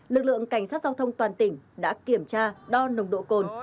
lực lượng cảnh sát giao thông toàn tỉnh đã kiểm tra đo nồng độ cồn